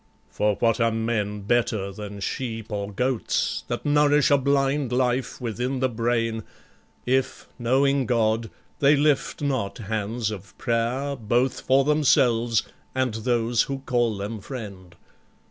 For what are men better than sheep or goats That nourish a blind life within the brain, If, knowing God, they lift not hands of prayer Both for themselves and those who call them friend?